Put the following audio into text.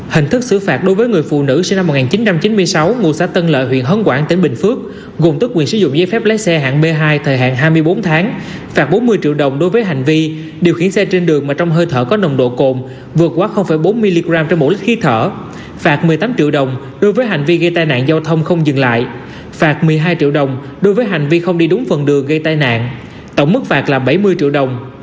hình thức xử phạt đối với người phụ nữ sinh năm một nghìn chín trăm chín mươi sáu ngôi xã tân lợi huyện hấn quảng tỉnh bình phước gồm tất quyền sử dụng giấy phép lái xe hạng b hai thời hạn hai mươi bốn tháng phạt bốn mươi triệu đồng đối với hành vi điều khiển xe trên đường mà trong hơi thở có nồng độ cồn vượt quá bốn mg trong mỗi lít khí thở phạt một mươi tám triệu đồng đối với hành vi gây tai nạn giao thông không dừng lại phạt một mươi hai triệu đồng đối với hành vi không đi đúng phần đường gây tai nạn tổng mức phạt là bảy mươi triệu đồng